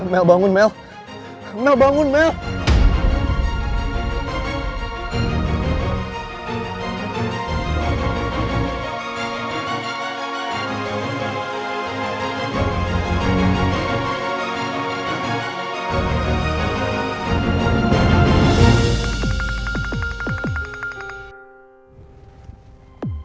mel bangun mel bangun mel bangun mel bangun